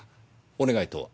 お願いとは？